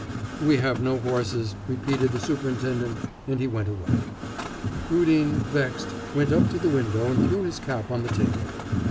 'We have no horses,' repeated the superintendent, and he went away. Rudin, vexed, went up to the window and threw his cap on the table.